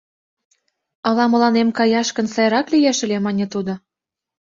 — Ала мыланем каяш гын, сайрак лиеш ыле, — мане тудо.